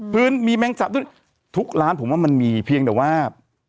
พื้นมีแมงสับด้วยทุกร้านผมว่ามันมีเพียงแต่ว่า